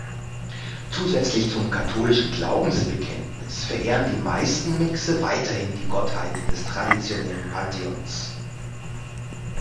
Zusätzlich zum katholischen Glaubensbekenntnis verehren die meisten Mixe weiterhin die Gottheiten des traditionellen Pantheons.